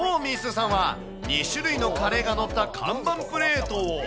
さんは、２種類のカレーが載ったかわどプレートを。